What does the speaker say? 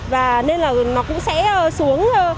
và nên là nó cũng sẽ xuống